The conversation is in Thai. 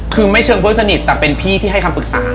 คือไม่เชิงเพื่อนสนิทแต่เป็นพี่ที่ให้คำปรึกษา